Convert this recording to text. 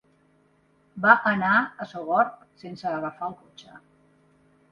Va anar a Sogorb sense agafar el cotxe.